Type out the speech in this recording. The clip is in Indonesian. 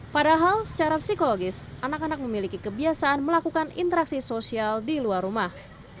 padahal secara psikologis anak anak memiliki kebiasaan melakukan interaksi sosial di luar rumah